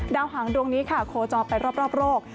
หางดวงนี้ค่ะโคจรไปรอบโลก